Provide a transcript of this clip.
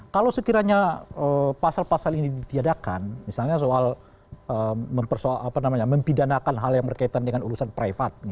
kalau sekiranya pasal pasal ini ditiadakan misalnya soal mempidanakan hal yang berkaitan dengan urusan privat